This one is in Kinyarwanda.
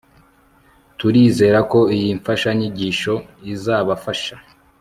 turizera ko iyi mfashanyigisho izabafasha